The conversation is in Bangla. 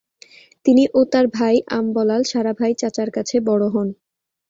তিনি ও তার ভাই আমবলাল সারাভাই চাচার কাছে বড়ো হন।